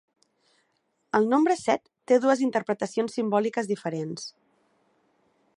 El nombre set té dues interpretacions simbòliques diferents.